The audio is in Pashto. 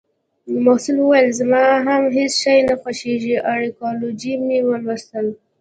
محصل وویل: زما هم هیڅ شی نه خوښیږي. ارکیالوجي مې لوستلې